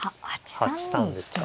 ８三ですか。